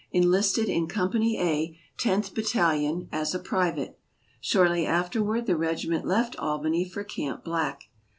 enlisted in Company A, Tenth Bat talion, as a private. Shortly afterward the regiment left Albany for Camp Black.